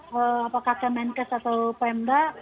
kpmnk atau pemda